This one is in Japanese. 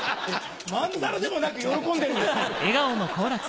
まんざらでもなく喜んでるんですけど。